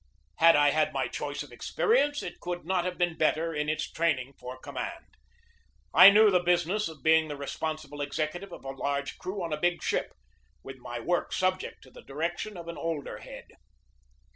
Had I had my choice of experience, it could not have been better in its training for command. I knew the business of being the responsible executive of a large crew on a big ship, with my work subject to the direction of an older head.